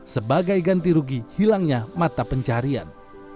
sebagai ganti rugi hilangnya mata pencarian